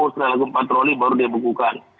setelah lagu patroli baru dibukukan